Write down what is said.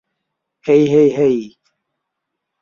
হেই hey হেই!